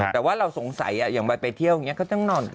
แต่ว่าเราสงสัยอย่างวัยไปเที่ยวอย่างนี้ก็ต้องนอน